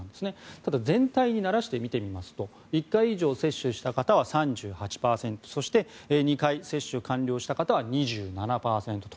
ただ、全体にならして見てみますと１回以上接種した方は３８％そして２回接種完了した方は２７％と。